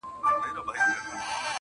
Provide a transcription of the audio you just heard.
هر اندام یې د ښکلا په تول تللی!